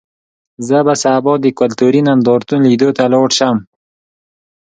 زه به سبا د کلتوري نندارتون لیدو ته لاړ شم.